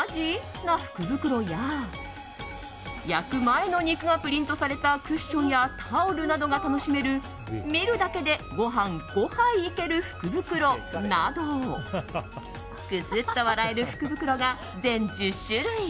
な福袋や焼く前の肉がプリントされたクッションやタオルなどが楽しめる見るだけでご飯５杯いける福袋などくすっと笑える福袋が全１０種類。